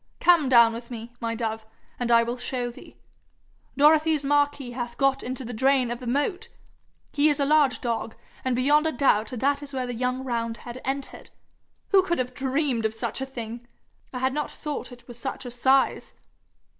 Come down with me, my dove, and I will show thee. Dorothy's Marquis hath got into the drain of the moat! He is a large dog, and beyond a doubt that is where the young roundhead entered. Who could have dreamed of such a thing! I had no thought it was such a size.'